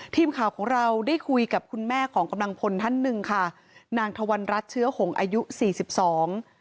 ทีมข่าวของเราได้คุยกับคุณแม่ของกำลังพลท่านหนึ่งค่ะนางทวันรัฐเชื้อหงอายุสี่สิบสอง